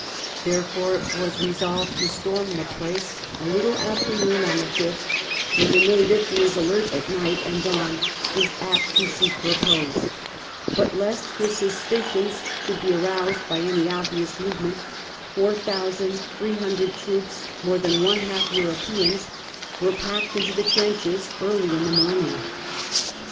Therefore it was resolved to storm the place a little after noon on the 4th, when the native, who is alert at night and dawn, is apt to seek repose ; but lest his suspicions should be aroused by any obvious movement, four thousand three hundred troops, more than one half Europeans, were packed into the trenches early in the morning.